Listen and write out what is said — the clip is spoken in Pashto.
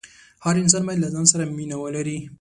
هر انسان باید له ځان سره مینه ولري.